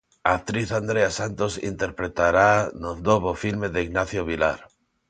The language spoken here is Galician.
A actriz Andrea Santos interpretaraa no novo filme de Ignacio Vilar.